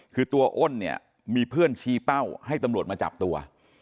คือตัวอ้นเนี่ยมีเพื่อนชี้เป้าให้ตำรวจมาจับตัว